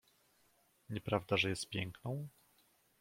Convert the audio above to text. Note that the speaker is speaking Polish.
"Nieprawda że jest piękną?"